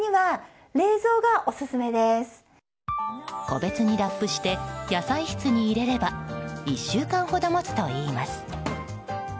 個別にラップして野菜室に入れれば１週間ほど持つといいます。